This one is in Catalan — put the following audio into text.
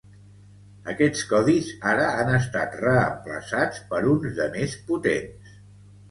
Aquests codis ara han estat reemplaçats per uns de més potents.